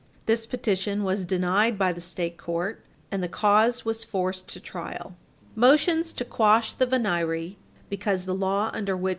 This petition was denied by the State court, and the cause was forced to trial. Motions to quash the venire "because the law under which Page 100 U.